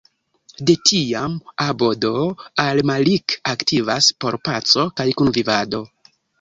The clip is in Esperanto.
De tiam, Abd al Malik aktivas por paco kaj kunvivado.